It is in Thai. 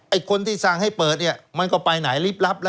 ไอ้คนที่สั่งให้เปิดเนี่ยมันก็ไปไหนรีบรับละ